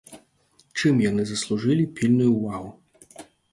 Чым яны заслужылі пільную ўвагу?